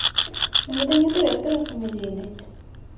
Гэта не дырэктара самадзейнасць.